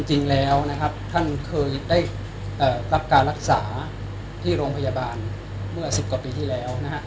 จริงแล้วนะครับท่านเคยได้รับการรักษาที่โรงพยาบาลเมื่อ๑๐กว่าปีที่แล้วนะฮะ